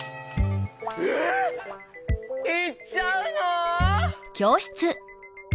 えっ！？いっちゃうの？